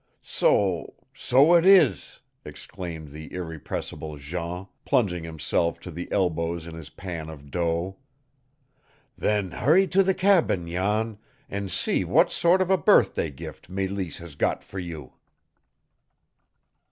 "So so it is," exclaimed the irrepressible Jean, plunging himself to the elbows in his pan of dough. "Then hurry to the cabin, Jan, and see what sort of a birthday gift Mélisse has got for you."